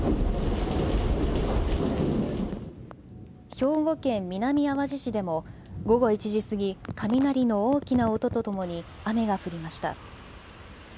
兵庫県南あわじ市でも午後１時過ぎ、雷の大きな音とともに雨が降りました。